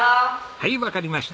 はいわかりました。